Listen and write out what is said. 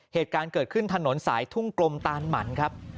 เหตุการณ์เกิดขึ้นถนนสายทุ่งกลมตานหมั่นครับ